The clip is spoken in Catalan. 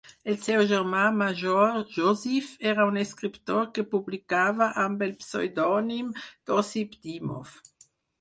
El seu germà major Yosif era un escriptor que publicava amb el pseudònim d'Osip Dymov.